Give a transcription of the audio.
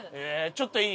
ちょっといい？